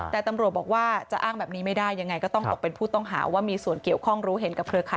แต่ตำรวจบอกว่าจะอ้างแบบนี้ไม่ได้ยังไงก็ต้องตกเป็นผู้ต้องหาว่ามีส่วนเกี่ยวข้องรู้เห็นกับเครือข่าย